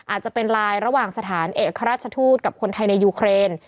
อาจจะเป็นไลน์ระหว่างสถานเอกราชทูตกับคนไทยในยูเครน